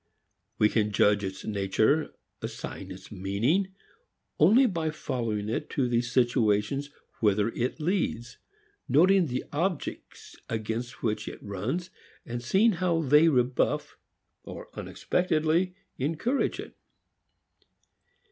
We can judge its nature, assign its meaning, only by following it into the situations whither it leads, noting the objects against which it runs and seeing how they rebuff or unexpectedly encourage it.